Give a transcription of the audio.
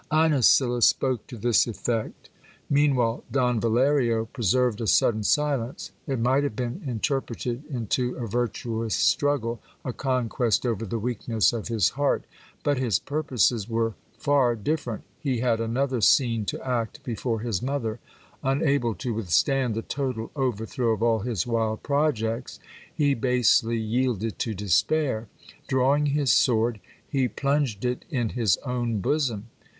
Inesilla spoke to this effect. Meanwhile Don Valerio preserved a sudden silence : it might have been interpreted into a virtuous struggle, a conquest over the weakness of his heart. But his purposes were far different ; he had another scene to act before his mother. Unable to withstand the total overthrow of all his wild projects, he basely yielded to despair. Drawing his sword, he plunged it in his own bosom.